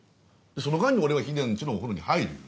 その間に俺はヒデん家のお風呂に入るよ。